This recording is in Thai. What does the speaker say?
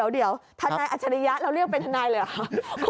เดี๋ยวทนายอัจฉริยะเราเรียกเป็นทนายเลยเหรอคะ